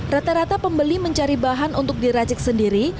rata rata pembeli mencari bahan untuk diracik sendiri